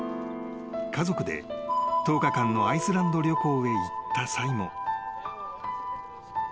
［家族で１０日間のアイスランド旅行へ行った際も］